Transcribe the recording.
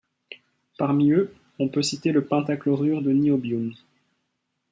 Parmi eux, on peut citer le pentachlorure de niobium.